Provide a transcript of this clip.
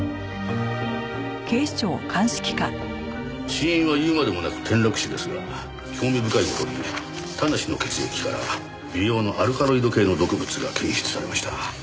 死因は言うまでもなく転落死ですが興味深い事に田無の血液から微量のアルカロイド系の毒物が検出されました。